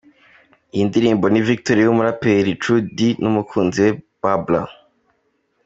Iyi ni Indirimbo Victory y’umuraperi True D, umukunzi wa Babla:.